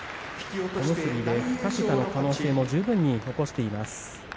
小結で２桁の可能性も十分に残しています。